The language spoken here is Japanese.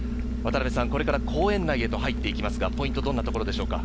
これから公園内へと入っていきますが、ポイントはどんなところですか？